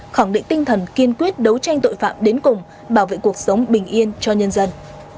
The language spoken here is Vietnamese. khẳng định tinh thần kiên quyết đấu tranh tội phạm đến cùng bảo vệ cuộc sống bình yên cho nhân dân